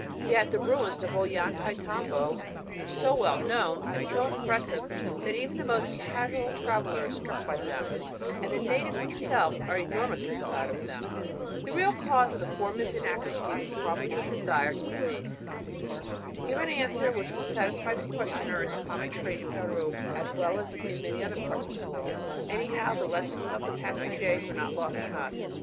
Yet the ruins of Ollantaytambo are so well known and so impressive that even the most casual traveler is struck by them and the natives themselves are enormously proud of them. The real cause of the foreman's inaccuracy was probably his desire to please. To give an answer which will satisfy the questioner is a common trait in Peru as well as in many other parts of the world. Anyhow, the lessons of the past few days were not lost on us.